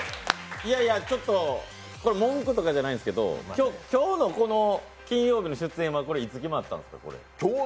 いやいや、ちょっとこれ文句とかじゃないんですけど今日のこの金曜日の出演はこれ、いつ決まったんですか？